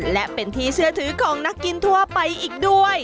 และเป็นที่เชื่อถือของนักกินทั่วไปอีกด้วย